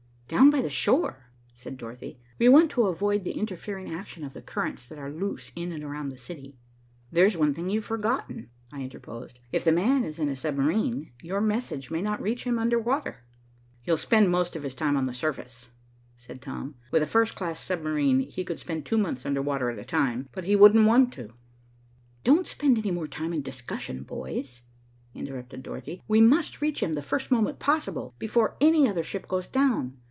"Down by the shore," said Dorothy. "We want to avoid the interfering action of the currents that are loose in and around the city." "There's one thing you've forgotten," I interposed. "If 'the man' is in a submarine, your message may not reach him under water." "He'll spend most of his time on the surface," said Tom. "With a first class submarine he could spend two months under water at a time, but he wouldn't want to." "Don't spend any more time in discussion, boys," interrupted Dorothy. "We must reach him the first moment possible, before any other ship goes down.